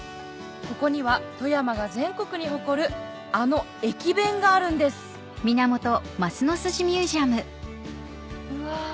ここには富山が全国に誇るあの駅弁があるんですうわ